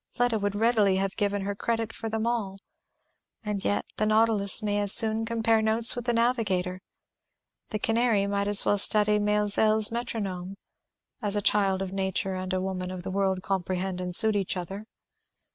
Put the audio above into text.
Fleda would readily have given her credit for them all; and yet, the nautilus may as soon compare notes with the navigator, the canary might as well study Maelzel's Metronome, as a child of nature and a woman of the world comprehend and suit each other.